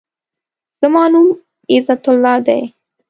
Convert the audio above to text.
زما نوم عزت الله دی.